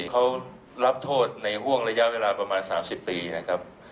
เขารับโทษในห่วงระยะเวลาประมาณ๓๐ปีนะครับ